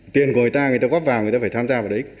tiền của người ta người ta góp vào người ta phải tham gia vào đấy